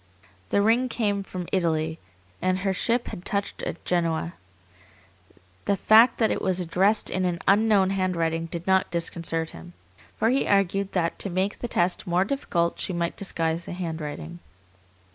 The ring came from Italy, and her ship had touched at Genoa. The fact that it was addressed in an unknown handwriting did not disconcert him, for he argued that to make the test more difficult she might disguise the handwriting.